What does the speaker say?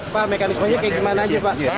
pak mekanismenya kayak gimana aja pak